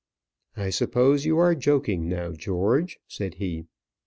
"I suppose you are joking now, George," said he.